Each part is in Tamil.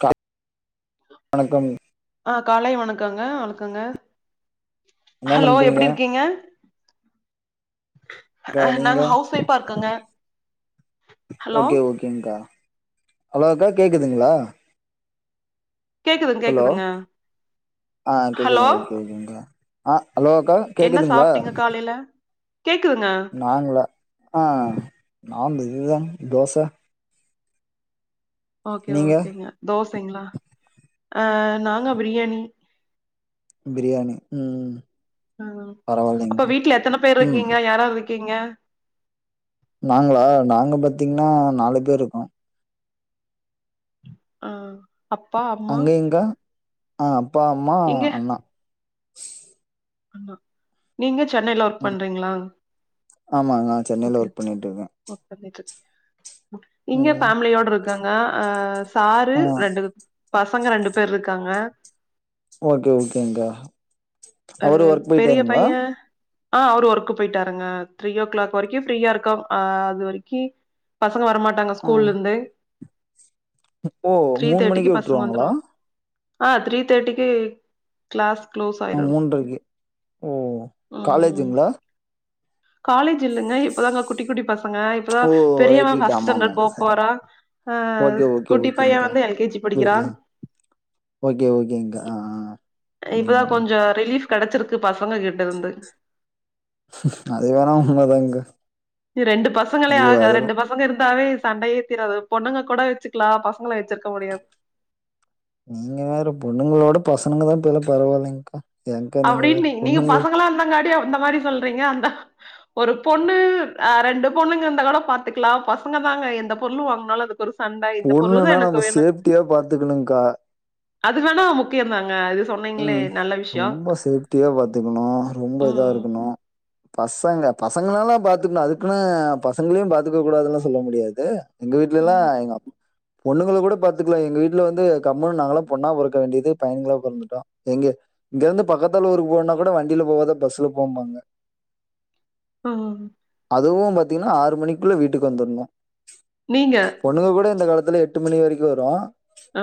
காய் வணக்கம் ஆ காலை வணக்கங்க வணக்கங்க என்ன ஹலோ எப்டி பண்றீங்கக்கா இருக்கீங்க ஹ நீங்க நாங்க ஹவுஸ் ஒய்பா இருக்கங்க ஹலோ ஓகேங்கா ஹலோ அக்கா கேக்குதுங்களா கேக்குதுங் ஹலோ கேக்குதுங்க ஆ கேக்குது ஹலோ ஓகே ஓகேங்க்கா ஆ ஹலோ அக்கா என்ன கேக்குதுங்களா சாப்டீங்க காலையில கேக்குதுங்க நாங்களா ஆ நாங் இதுதா தோச ஓகே நீங்க ஓகேங்க தோசைங்ளா அ நாங்க பிரியாணி பிரியாணி ம் அ அப்ப பரவாயில்லைங்க்கா வீட்ல எத்தன பேர் ம் இருக்கீங்க யார் யார் இருக் கீங்க நாங்களா நாங்க பாத்தீங்களா நாலு பேர் இருக்கோ ஆ அப்பா அம்மா அங்கேங்க்கா ஆ அப்பா அம்மா இங்க அண்ணா ஆமா நீங்க சென்னையில ஒர்க் ம் பண்றீங்ளா ஆமா நான் சென்னையில ஓகே ஒர்க் பண்ணிட்டு இருக்கேன் ஓக் பண்ணீட்டு ஓகே இங்க ம் ஃபேமிலியோட இருக்காங்க அ சாரு ஆ ரெண்டு பசங்க ரெண்டு பேர் இருக்காங்க ஓகே ஓக்கேங்க்கா அ பெரிய பைய ஆ அவரு ஒர்க்கு போயிட்டாருங்க த்ரீ ஓ கிளாக் வரைக்கு ஃப்ரீயா இருக்கம் அ அது வரைக்கி பசங்க வரமாட்டாங்க ம் ஸ்கூல்ல இருந்து ஓ த்ரீ மூணு தேர்ட்டிக்கு மணிக்கே பசங்க விட்ருவாங்களா வந்துருவாங் ஆ த்ரீ தேர்ட்டிக்கு கிளாஸ் க்ளோஸ் ஆயிரு [unintelligible] ஓ காலேஜுங்ளா காலேஜ் இல்லங்க இப்பதாங்க குட்டி குட்டி பசங்க இப்பதா ஓ பெரியவ ரைட் ரைட் ஃபஸ்ட் ஆமா ஆமா ஸ்டாண்டர்ட் ஆமா சரி போபோறா அ ஓகே ஓகே குட்டி பைய ஓகேங்க்கா வந்து எல் கே ஜி படிக்கிறா புரியுது ஓகே ஓகேங்கா ஆ ஆ நீங்க இப்பதா வந்தது கொஞ்சோ ரிலீஃப் கெடைச்சிருக்கு பசங்க கிட்ட இருந்து அது வேணா உண்மதாங்க்கா ரெண்டு பசங்களே ஐயோ ஆக அதெல்லா ரெண்டு பச பசங்க இருந்தாவே சண்டையே தீராது பொண்ணுங்க கூட வச்சுக்கலா பசங்கள வச்சிருக்க முடியாது நீங்க வேற பொண்ணுங்களோட பசங்கனு தா இப்பேலா பரவாயில்லைங்க்கா ஏங்க்கா நீங்க அப்டின்னு வேற நீ நீங்க பொண்ணுங்க பசங்களா இருந்தாங்காட்டியு அந்த மாரி சொல்றீங்க அந்தா ஒரு பொண்ணு அ ரெண்டு பொண்ணுங்க இந்த கூட பாத்துக்கலா பசங்க தாங்க எந்த பொருளு வாங்கனாலு அதுக்கு ஒரு சண்டை. இந்த பொருள் தான் பொண்ணுன்னா எனக்கு நம்ம வேணும். சேஃப்ட்டியா பாத்துக்கணுக்கா அது வேனா முக்கியந்தாங்க இது சொன்னீங்களே ம் நல்ல விஷயோ ரொம்ப சேஃப்டியா பாத்துக்கணு ரொம்ப இதா இருக்கணு பசங்க பசங்கனலு பாத்துக்கணு அதுக்குன்னு பசங்களையு பாத்துக்க கூடாதுல்லா சொல்ல முடியாது எங்க வீட்லெல்லா ம். எங்க அப் பொண்ணுங்கள‌ கூட பாத்துக்கல எங்க‌ வீட்ல வந்து கம்முன்னு நாங்களா பொண்ணா பொறக்க வேண்டியது பயனுங்களா பொறந்துட்டோ எங்க இங்க இருந்து பக்கத்தால ஊருக்கு போனா கூட வண்டியில போவாத பஸ்ல போம்பாங்க ஆ அதுவும் பாத்தீங்கன்னா ஆறு மணிக்குள்ள வீட்டுக்கு வந்துர்னு நீங்க பொண்ணுங்க கூட இந்த காலத்துல எட்டு மணி வரைக்கு வரு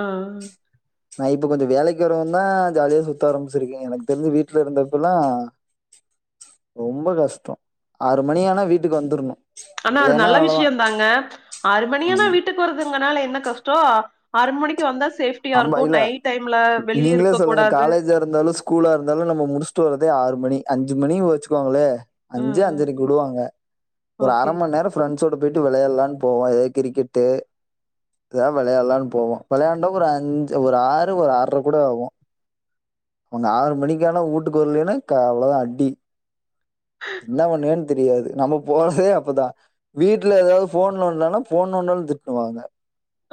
ஆ ஆ நா இப்ப கொஞ்சோ வேலைக்கு வரவு தா ஜாலியா சுத்த ஆரம்பிச்சிருக்க எனக்கு தெரிஞ்சு வீட்ல இருந்தப்பல்லா ரொம்ப கஷ்டோ ஆறுமணி ஆனா வீட்டுக்கு வந்துர்ணு ஆனா அது நல்ல விஷயந்தாங்க அறு மணியானா ஆமா. வீட்டு போறதுங்கனால என்ன கஷ்டோ ஆறு மணிக்கு வந்தா சேஃப்டியா அம்ப இருக்கு இல்ல நைட் டைம்ல வெளியே நீங்களே இருக்க சொல்லுங்க கூடாது காலேஜா இருந்தாலு ஸ்கூலா இருந்தாலு நம்ம முடுஸ்ட்டு வரதே ஆறு மணி அஞ்சு மணி வச்சுக்கோங்களே அஞ்சு ம். அஞ்சரைக் உடுவாங்க ஒரு அர ஓகே. மண் நேர ஃப்ரெண்டஸோட போயிட்டு விளையாலான் போவோ எதா கிரிக்கெட்டு தா விளையால்லான் போவோ வெளையாண்டா ஒரு அஞ்சு ஒரு ஆறு ஒரு ஆற்ர கூட ஆகு அவங்க ஆறு மணிக்கானா ஊட்டுக்கு வர்லின்னா க அவ்ளோதா அடி என்ன பண்ணுவியன் தெரியாது நம்ம போறதே அப்பதா வீட்டுல ஏதாவது ஃபோன் நோன்னன்னா ஃபோன் நோன்னா திட்டுவாங்க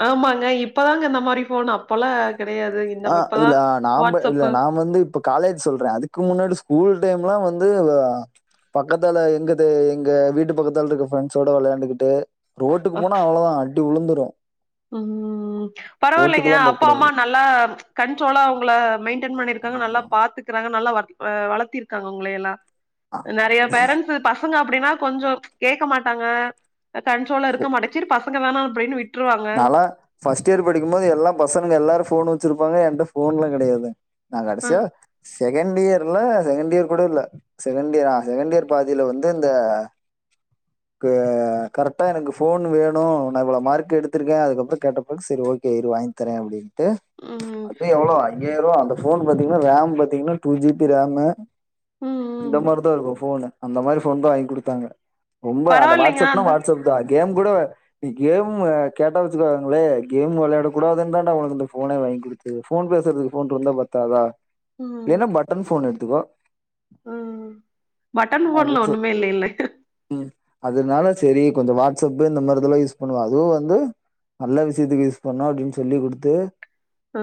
ஆமாங்க இப்பதாங்க இந்த மாரி ஃபோன்னு அப்பல்லா கெடையாது ஆ இல்ல நாம்ப இல்ல நாம் வந்து இப்ப காலேஜ் சொல்றே அதுக்கு முன்னாடி ஸ்கூல் டைம்லா வந்து வா பக்கத்தல எங்கது எங்க வீட்டு பக்கத்தால இருக்க ஃப்ரெண்ட்ஸோட விளைண்டுக்கிட்டு ரோட்டுக்கு போனா அவ்ளோதா அடி உளுந்துரு ம் பரவாயில்லைங்க அப்பா போக்கூடாது. அம்மா நல் ல்லா கண்ட்ரோலா உங்கள மென்டைன் பண்ணிருக்காங்க நல்லா ஆமா, பாத்துக்கறாங்க நல்லா ஆ வளர்த்திருக்காங்க உங்கள எல்லா ஆமா. நெறைய அப்படி பேரண்ட்ஸ்சு பசங்க அப்படின்னா கொஞ்சோ கேக்க மாட்டாங்க கண்ட்ரோலா இருக்க மாட்டச்சரி சேரி பசங்கதான அப்படின் விட் நால்லா ஃபஸ்ட் இயர் படிக்கும்போது எல்லா பசங்க எல்லாரு ஃபோன் வச்சிருப்பாங்க என்ட போன்லா கெடையாது நா அ கடைசியா செகண்ட் இயர்ல்ல செகண்ட் இயர் கூட இல்ல செகண்ட் இயர் ஆ செகண்ட் இயர் பாதில வந்து இந்த அ கரெக்டா எனக்கு ஃபோன் வேணு நா இவ்வளா மார்க் எடுத் துருக்கே அதுக்கப்புறம் கேட்ட [inaudible] சரி ஓகே இரு வாங் தரே அப்படின்ட்டு ம். அப்பயு எவ்வளோ ஐஆயிருவா அந்த ஃபோன் பாத்தீங்கன்னா ரேம் பாத்தீங்கன்னா டூ ஜி பி ரேம்மு ம், ம். இந்த மார்தா இருக்கு ஃபோனு அந்த மாரி ஃபோன் தா வாங் குடுத்தாங்க ரொம்ப அந்த பரவாயில்லைங்க வாட்ஸ்அப்னா அந்த வாட்ஸ்அப் தா கேம் கூட கேமு கேட்டா வச்க்கோங்களே கேம் விளையட கூடாது தான்டா உனக்கு இந்த போனே வாங்கி குடுத்தது ஃபோன் பேசறதுக்கு போன் இருந்தா பத் தாத இல்லைன்னா பட்டன் ஃபோன் எடுத்துக்கோ அ பட்டன் ஃபோன்ல ஒண்ணுமே இல்லைல்ல ம் அதனால சரி கொஞ்ச வாட்ஸ்அப்பு இந்த மாரி இதெல்லா யூஸ் பண்ணுவ அதுவு வந்து நல்ல விஷ்யத்துக்கு யூஸ் பண்ணு அப்படின் சொல்லி குடுத்து அ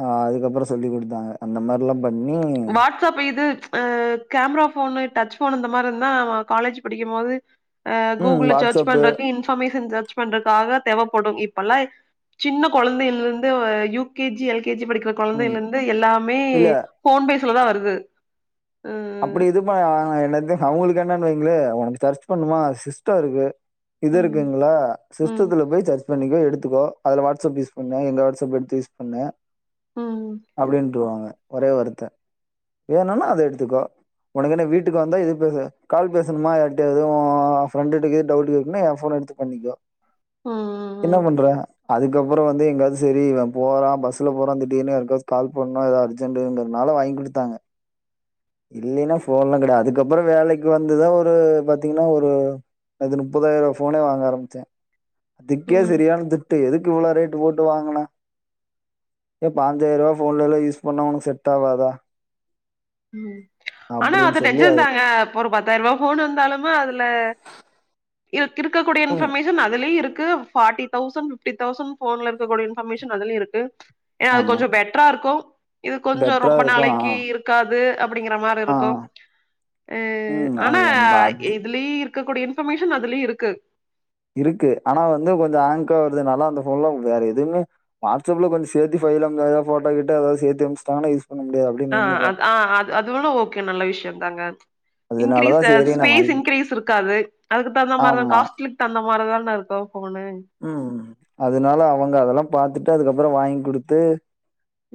அ அதுக்கப்புற சொல்லி கொடுத்தாங்க அந்த மார்ல்லா பண்ணி ச அப்ப இது அ கேமரா ஃபோனு டச் ஃபோனு இந்த மார் இருந்தா காலேஜ் படிக்கும் மோது அ ம் கூகுள்ல ச்சர்ச் பண்றக்கு இன்ஃபர்மேஷன் ச்சர்ச் பண்றக்காக தேவப்படு இப்பல்லா சின்ன கொழந்தைகள் இந்து U K G L K G படிக்க ம். குழந்தைல இந்து எல்லாமே இல்ல ஃபோன் பேஸ்ல தா வருது ம் அப்படி இது பண்ண என்னது அவங்களுக்கு என்னன் வைங்களே உனக்கு சர்ச் பண்ணுமா சிஸ்டோ இருக்கு இது ம் இருக்குங்களா ம் சிஸ்டத்துல போய் சர் பண்ணிக்கோ எடுத்துக்கோ அதுல வாட்ஸ்சப் யூஸ் பண்ணு எங்க வாட்ஸ்அப் எடுத்து யூஸ் பண்ணு ம் அப்படின்ருவாங்க ஒரே வார்த்த வேணுன்னா அத எடுத்துக்கோ ஒனக்கு என்ன வீட்டுக்கு வந்தா இது பேசு கால் பேசணுமா யார்ட்டியாது ப்ரெண்டுட கீது டவுட் கேக்கணுனா எ ஃபோன் எடுத் து பண்ணிக்கோ ம் என்ன பண்ற அதுக்கப்புறோ வந்து எங்காவது சரி இவ போறா பஸ்ல போறா திடீர்னு யார்காஸ் கால் பண்ணு ஏத அர்ஜென்ட்டுங்கிறனால வாங் குடுத்தாங்க இல்லினா போன்லா கெடையாது அதுக்கப்பறோ வேலைக்கு வந்துதா ஒரு பாத்திங்கன்னா ஒரு அது முப்பதாயிருவா போனே வாங்க ஆரம்பிச்சே அதுகே ம் செரியான திட் டு எதுக்கு இவ்ளோ ரேட்டு போட்டு வாங்கனா ஏ பாஞ்சாயிருவா போன்லலா யூஸ் பண்ணா உனக் செ்ட் ஆவாதா ம் ஆனா அப்படின்னு அது சொல்லி நெஜோதாங்க இப்பொரு பத்தாயிருவா போனு வந்தாலுமு அதுல இதுக் இருக்ககூடிய ம். இன்பர்மேஷன் அதுலயூ இருக்கு பார்ட்டி தௌசண் பிப்டி தௌசண் போன்ல இருக்ககூடிய இன்பர்மேஷன் அதுலயூ இருக்கு ஏ அது ஆமா. கொஞ்சோ பெட்ரா இருக்கு இது கொஞ்சோ பெட்டரா ரொம்ப இருக்கும். ஆ. நாளைக்கி இருக் காது அப்படிங்கற மார் ஆ. இருக்கு அ ம். அனா அது அந்த அது இ துலீ இருக்க கூடிய இன்பர்மேஷன் அதுலயூ இருக்கு இருக்கு அனா வந்து கொஞ்சோ ஆங்க்காவருதுனால அந்த போன்லா வேற எதுமே வாடஸ் அப்ல கொஞ்சோ சேத்தி பைல் அனு [unintelligible] எதோ போட்டோ கீட்டோ எதாவது சேத்தி அனுப்ச்ட்டாங்கன்னா யூஸ் பண்ண முடியாது [unintelligible] அ அ அ அது வேண்ணா ஓகே நல்ல விஷயோ தாங்க அதனால இன்கிரீஸ் தான் சரி [unintelligible] நான் ம். ஸ்பேஸ் வாங்கி இன்கிரீஸ் இருகாது அதுக்கு தகுந்த மார்தா ஆமா. காஸ்லிப் ட் அந்த மார்தான இருக்கு போனு ம் அதனாலா அவங்க அதல்லா பாத்துட்டு அதுக்கப்பறோ வாங்கி குடுத்து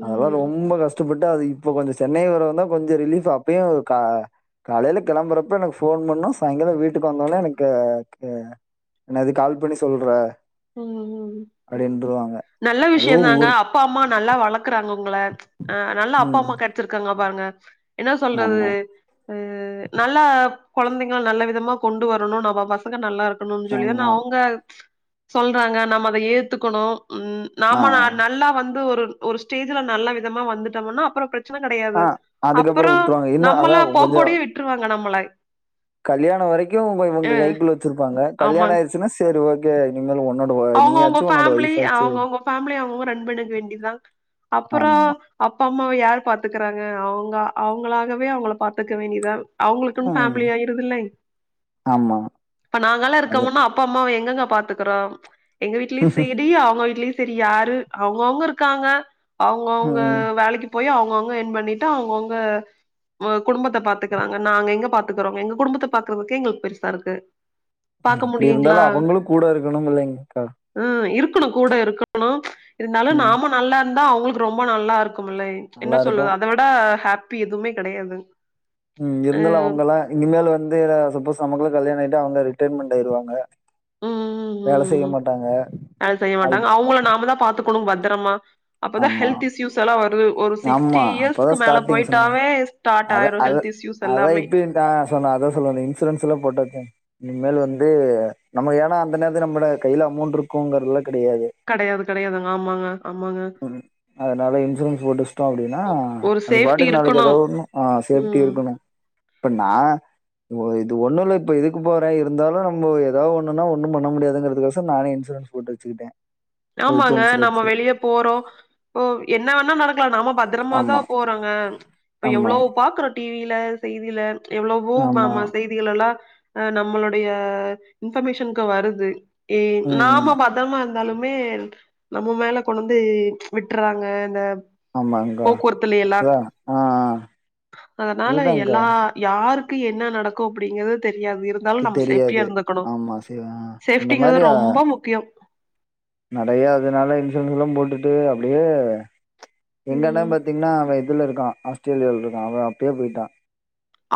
அதல்லா ம். ரொம்ப கஷ்ட்டப்பட்டு அது இப்ப கொஞ்சோ சென்னை வரவுந்தா கொஞ்ச ரிலீஃப் அப்பயு கா காலைல கெளம்பறப்ப எனக்கு போன் பண்ணு சாயிங்காளோ வீட்டுக்கு வந்தொன்னே எனக்கு க க என்னாது கால் பண்ணி சொல்ற ம் ம் நல்ல விஷயோ அதுவும் தாங்க ஊர் அப் பம்மா நல்லா வளக்கறாங்க உங்கள அ நல்ல அப்பா ம். அம்மா கெடச்சிருகாங்க பாருங்க என்ன சொல்றது ஆமா, அது நல்லா கொழந்திங்கோ நல்ல விதமா கொண்டு வரணு நம்ம பசங்க நல்லா இருக் கணு சொல்லிதா ஆமா. அவுங்க சொல்றாங்க நம்ம அத ஏத்துகணு ம் நாம நா ஆ. நல்லா வந்து ஒரு ஒரு ஸ்டேஜ்ல நல்ல விதமா வந்துட்டம்முன்னா அப்பறோ பி ரச்சன ஆ கெடையாது அதுக்கப்புறோ அப்பறோ விட்ருவாங்க இன்னு நம்மள அதா போக்கோடயே விட்ருவாங்க நம்மளை கல்யாண வரைக்கு இவுங்க இவுங்க கைக்குள்ள வெச்சிர்ப்பாங்க கல்யாண ஆயிர்ச்சுனா சேர் ஒக் அவுங்கவுங்க ஃபேமிலி ஒய்ஃபாச்சு அவுங்கவுங்க ரன் பண்ணிக்க வேண்டிதா அப்பறோ ஆமா அப்பம்மாவ யார் பாத்துக்கறாங்க அவுங்க அவுங்களாகவே அவுங்கள பாத்துக்க வேண்டிதா அவுங்களுக்குன் ம் ஃபேமிலியாயிருதுல்லைங் ஆமா இப்ப நாங்கலா அது இருக்கம்முன்னா அப் அபாம்மாவ எங்கங்க பாத்துக்கறோ எங்க வீட்லயூ சேரி அவங்க வீட்லயூ செரி யாரு அவுங்கவுங்க இருக்காங்க அவுங்கவுங்க ம் வேலைக்கு போய் அவுங்கவுங்க ஏர்ன் பண்ணீட்டுா அவுங்கவுங்க வ குடும்பத்த பாத்துக்கறாங்க நாங்க எங்க பாத்துக்கறோ எங்க குடும்பத்த பாக்கறதுக்கே எங்களுக்கு பெருசா இருக்கு ம் பாக்க அப்படி இருந்தாலு முடியுங்களா அவங்களு கூட இருக்கணும் இல்லைங்க்கா ம் இருக்கணு கூட இருக்கணு இருந்தாலு ம் நாம நல்லா இருந்தா அவுங்களுக்கு ரொம்ப நல்லா இருக்கும்ல்லை என்ன நல்லா இருக்கு சொல்றது அத விட ஹாப்பி எதுவுமே கெடையாதுங் ம் இருந்தாலு அவங்கல்லா இனிமேலு வந்து எதா சப்போஸ் நமக்குளா கல்யாண ஆயிட்டா அவங்க ரிட்டர்மெண்ட் ஆயிருவாங்க ம் ம் வேல ம் செய்ய ம் மாட்டாங்க அது செய்ய மாட்டாங்க அவுங்கள நாம தா பாத்துக்கணு பத்தரமா அப்பதா ஆமா ஹெல்த் இஸ்யூஸ் எல்லா வருது ஒரு சிக்ஸ்டி ஆமா அப்பதா இயர்ஸ்க்கு மேல ஸ்டார்டிங் சொன்ன போயிட்டாவே ஸ்டார்ட் ஆயிரு ஹெல்த் இஸ்யூஸ் எல்லாமே தா சொன்ன அதா சொல்ல வந்த இன்சூரன்ஸ் எல்லா போட்டாச்சாங் இனிமேல் வந்து நம்ம ஏன்னா அந்த நேரத்து நம்மட கைல அமௌண்ட் இருக்குங்கறதுலா கெடையாது கெடையாது கெடையாதுங்க ஆமாங்க ஆமாங்க ஒரு அதனால இன்சூரன்ஸ் போட்டு வஸ்ட்டோம் அப்டின்னா ஒரு அது சேஃப்டி பாட்டுக்கு நாளைக்கு எதா இருக்கணும் ஒன்னும் ஆ சேப்டி ம் இருக்கணும் இப்ப நா ஓ இது ஒண்ணு இல்ல இப்ப இதுக்கு போற இருந்தாலும் நம்போ எதாவது ஒண்ணுனா ஒண்ணும் பண்ண முடியாதுங்கிறது கொசரம் நானே இன்சூரன்ஸ் போட்டு வச்சிகிட்ட ஆமாங்க நம்ம வெளிய போறோம் ம் என்ன வேணா நடக்கலா நம்ம பத் திரமா தா ஆமா போறாங்க இப்ப ஆமா எவ்ளோ பாக்கறோம் டி வில செய்தியில எவ்ளோவோ ஆமா மாமா செய் திலலா ஆ நம்மளுடைய இன்பர்மேஷனுக்கு வருது ஏ ம் ம் நாம பத்தரமா இருந்தாலு மே நம்ம மேல கொண்டுவந்து விட்டறாங்க இந்த ஆமாங்கா போக்குவரத்துல எல்லா அதா ஆ ஆ அதனால அதுதாங்கா எல்லா யாருக்கு என்ன நடக்கும் அப்டிங்கிறது தெரியாது இரு க்கு இருந்தாலும் நம்ம சேஃப்டியா தெரியாது இருந்துக்கணும் ஆமா சரி ஆ அந்த சேஃப்டிங்கிறது ரொம்ப முக்கியம் நெறையா அதனால இன்சூரன்ஸ்லா போட்டுட்டு அப்டியே எங்க அண்ண ம். பாத்தீங்கன்னா அவன் இதுல இருக்கான் ஆஸ்திரேலியாவில் இருக்கான் அவன் அப்பயே போய்ட்டான்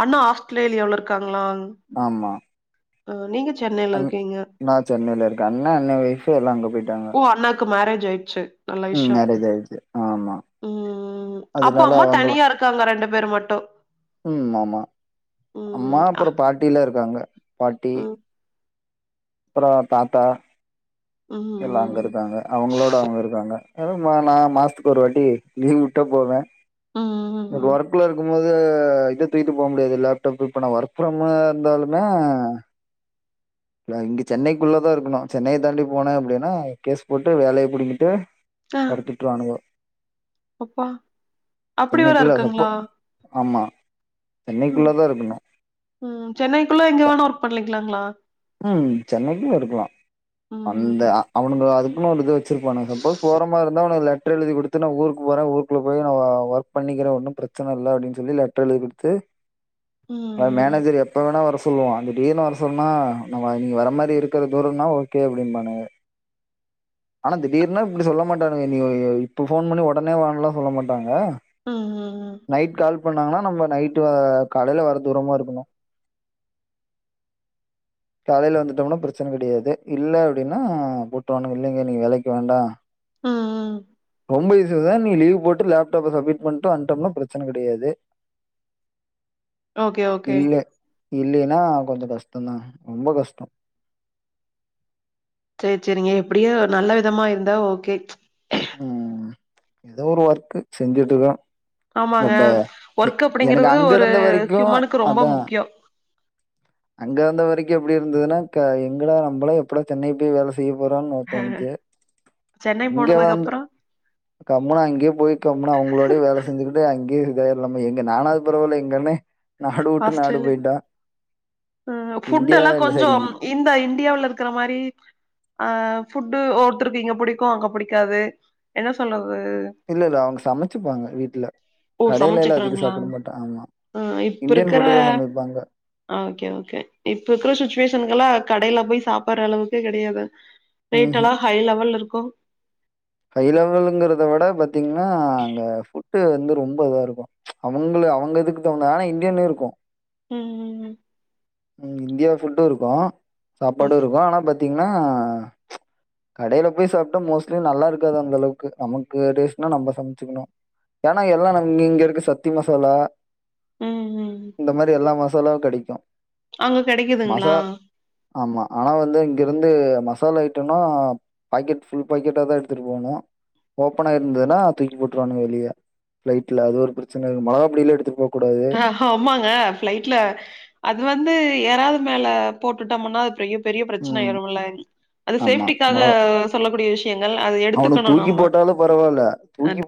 அண்ணா ஆஸ்திரேலியாவுல இருக்காங்களா ஆமா ஆ நீங்க சென்னையில இருக்கீங்க நா சென்னையில இருக்கன் அண்ண அண்ண ஓய்ஃபு எல்லாம் அங்க போயிட்டாங் ஓ அண்ணாக்கு மேரேஜி ஆயிடுச்சி ம் மேரேஜி ஆயிடுச்சி ஆமா ம். அப்ப அதனால அம்மா அவுங்களும் தனியா இருக்காங்க பேர் மட்டும். ம் ஆமா அம்மா ம். அ. அப்புறம் பாட்டியிலா இருக்காங்க பாட்டி ம். அப்புறம் தாத்தா எல்லா அங்க ம். இருக்காங்க அவுங்களோட அவுங்க இருக்கறாங்க அத மா நா மாசத்துக்கு ஒரு வாட்டி லீவு உட்ட போவேன் லோ ம். ஒர்க்ல இருக்கமோது இத தூக்கிட்டு போ முடியாது லேப்டாப் இப்ப நா ஒர்க் ஃப்ரம் இருந்தாலுமே நா இங்க சென்னைக்குள்ளதா இருக்கணும் சென்னைய தாண்டி போன அப்டின்னா கேஸ் போட்டு வேலைய புடிங்கிட்டு ஆ. தொரத்தி உட்ருவானுவோ அப்பா! அப்படி வேற சென்னைகுள்ள சப்போ இருக்குங்களா? ஆமா சென்னைக்குள்ள ம். தா இருக்கணும் ம் சென்னைக்குள்ள எங்க வேணா ஒர்க் பண்ணிக்கலாங்களா ம் சென்னைக்குள்ள இருக்கலா அந்த ம். அவுனுங்க அதுக்குனு ஒரு இது வச் சிருப்பானுங்க சப்போஸ் போற மாரி இருந்தா ஒனக்கு லெட்டர் எழுதி குடுத் து நா ஊருக்கு போறன் ஊருக்குள்ள போயி நா ஒ ஒர்க் பண்ணிக்கிற ஒன்னும் பிரச்சன இல்ல அப்டின் சொல்லி லெட்டர் எழுதி குடுத்து ம் அது மேனேஜர் எப்போ வேணா வர சொல்லுவான் திடீர்னு வர சொன்னா நா வ நீங்க வர மாரி இருக்கற தூரன்னா ஓகே அப்டிம்பானுங்க ஆனா திடீர்னா இப்டி சொல்ல மாட்டானுங்க நீ இப்ப ஃபோன் பண்ணி ஒடனே வான்லா சொல்ல மாட்டாங்க ம். நைட் கால் பண்ணாங்கன்னா நம்ம நைட்டு காலையில வர தூரமா இருக்கனும் காலையில வந்துட்டோம்னா பிரச்சன கெடையாது இல்ல அப்டின்னா போட்டுருவானுங்க இல்லைங்க நீங்க வேலைக்கு வேண்டா ம் ம் ரொம்ப யோசிக்காதா நீ லீவ் போட்டு லேப்டாப்ப சமிட் பண்ட்டு வன்ட்டம்னா பிரச்சன கெடையாது ஓகே, ஓகே. இல்ல இல்லைன்னா கொஞ்சம் கஷ்டந்தான் ரொம்ப கஷ்டம் சேரி செரிங்க எப்டியோ நல்ல விதமா இருந்தா ஓகே ம் எதோ ஒரு ஒர்க்கு செஞ்சுட்டுருக்றோ ஆமாங்க. பட் எ ஒர்க் எனக்கு அப்படிங்கிறது அங்க ஒரு இருந்த வரைக்கு ஹியூமனுக்கு ரொம்ப அதா முக்கியம். அங்க இந்த வரைக்கு எப்டி இருந்துதுன்னா க எங்கடா நம்மளா எப்படா சென்னை போய் வேல செய்ய போறோன்னு தோணுச்சு சென்னை இங்க வந்து போனதுக்கப்புறம் கம்முனு அங்கே போய் கம்முனு அவங்களோடே வேல செஞ்சுக்ட்டு அங்கயே இருந்தர்லாமோ எங்க நானாவ்து பரவால எங்கண்ண நாடு உட்டு நாடு ஆஸ்திரேலியா போய்டா ம் ஃபுட்டெல்லா சரி கொஞ்சம் இந்த இந்டியாவுல இருக்குற மாரி அ ஃபுட்டு ஒருத்தருக்கு இங்க புடிக்கு அங்க புடிக்காது என்ன சொல்றது இல்லல்ல அவங்க சமைச்சுப்பாங்க வீட்ல ஓ கடைலல்லா அதிகோ சமைச்சுக்கிறாங்களா சாப்ட மாட்டோங் ஆமா ம் இப்ப இந்தியன் இருக்கிற ஃபுட்டு தா சமைப்பாங்க ஓகே ஓகே இப்ப இருக்ற சுச்சுவேஷன்கெல்லா கடைல போய் சாப்பற அளவுக்கு கெடையாது ம்ஹ்ம். ரேட்டெல்லா ஹை லெவல்ல இருக்கு ஹை லெவலுங்கிறத விட பாத்தீங்ன்னா அங்க ஃபுட்டு வந்து ரொம்ப இதா இருக்கு அவங்கள அவங்க இதுக்கு தகுந்த ஆனா இந்தியனு இருக்கு ம் ம் ம் இந்தியா ஃபுட்டு இருக்கு சாப்பாடு ஓகே இருக்கு ஆனா பாத்தீங்ன்னா கடைல போய் சாப்ட்டா மோஸ்ட்லி நல்லா இருக்காது அந்த அளவுக்கு நமக்கு டேஸ்னா நம்ம சமச்சிக்கனு சமைச்சுக்கணும் பானா எல்லா நாங் இங்க இங்க இருக்க சக்தி மசாலா ம் ம் இந்த மாரி எல்லா மசாலாவு கெடைக்கு அங்க கெடைக்குதுங்ளா ஆமா ஆனா வந்து இங்கிருந்து மசாலா ஐட்டம்னா பாக்கெட் ஃபுல் பாக்கெட்டாதா எடுத்துட்டு போணு ஓப்பனா இருந்ததுன்னா தூக்கி போட்ருவாங்க வெளிய ஃபிளைட்ல அது ஒரு பிரச்சன மொளகாபொடில்லா எடுத்துட் போ கூடாது ஆ ஆமாங்க ஃபிளைட்ல அது வந்து யராவ்து மேல போட்டுட்டம்ன்னா அப்றோ எ பெரிய பிரச்சனை ம். ஆயிருமுல்ல அது ஆமா. சேஃப்ட்டிக்காக மொளகா சொல்லக்கூடிய விஷயங்கள் அத எடுத்துக்கணு நம்ம போல தூக்கிப்